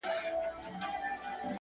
هر چا ته خپل وطن کشمير دئ.